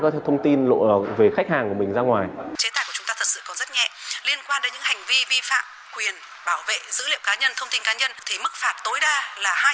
chế tài của chúng ta thật sự còn rất nhẹ liên quan đến những hành vi vi phạm quyền bảo vệ dữ liệu cá nhân thông tin cá nhân